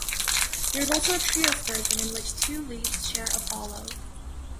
There is also a Trios version in which two leads share a follow.